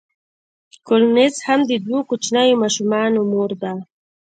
کولینز هم د دوو کوچنیو ماشومانو مور وه.